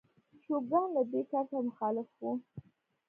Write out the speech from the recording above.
شوګان له دې کار سره مخالف و.